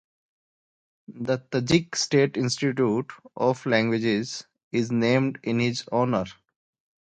The Tajik State Institute of Languages is named in his honour.